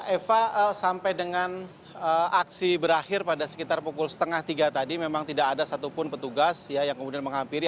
eva sampai dengan aksi berakhir pada sekitar pukul setengah tiga tadi memang tidak ada satupun petugas yang kemudian menghampiri